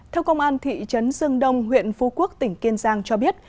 theo công an thị trấn dương đông huyện phú quốc tỉnh kiên giang cho biết